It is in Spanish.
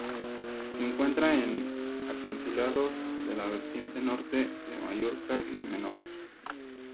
Se encuentra en acantilados de la vertiente norte de Mallorca y Menorca.